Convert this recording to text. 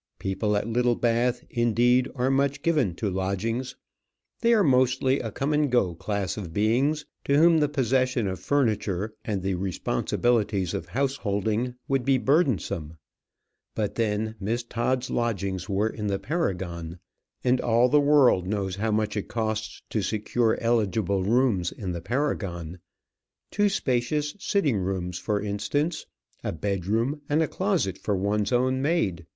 People at Littlebath, indeed, are much given to lodgings. They are mostly a come and go class of beings, to whom the possession of furniture and the responsibilities of householding would be burdensome. But then Miss Todd's lodgings were in the Paragon, and all the world knows how much it costs to secure eligible rooms in the Paragon: two spacious sitting rooms, for instance, a bedroom, and a closet for one's own maid.